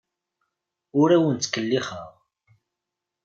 Ur awen-ttkellixeɣ.